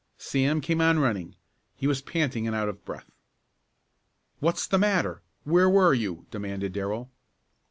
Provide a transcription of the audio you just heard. Sam came on running. He was panting and out of breath. "What's the matter? Where were you?" demanded Darrell.